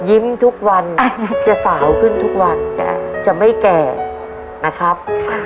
ยิ้มทุกวันจะสาวขึ้นทุกวันจะไม่แก่นะครับ